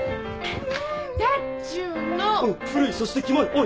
おい。